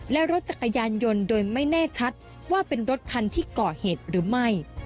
และรถจักรยานยนต์โดยไม่แน่ชัดว่าเป็นรถคันที่ก่อเหตุหรือไม่